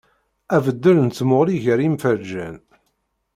Abeddel n tmuɣli gar yimferǧen.